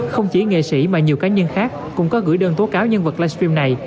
không chỉ nghệ sĩ mà nhiều cá nhân khác cũng có gửi đơn tố cáo nhân vật livestream này